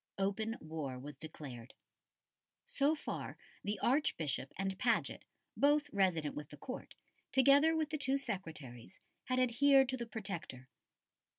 Open war was declared. So far the Archbishop and Paget, both resident with the Court, together with the two Secretaries, had adhered to the Protector.